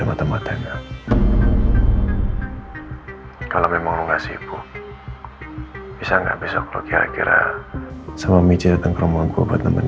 buat nemenin nyokap gue sama rena